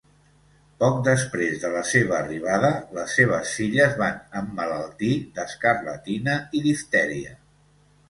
Poc després de la seva arribada, les seves filles van emmalaltir d'escarlatina i diftèria.